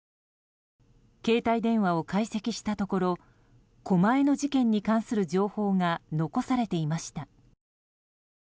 携帯電話を解析したところ狛江の事件に関する情報が残されていました。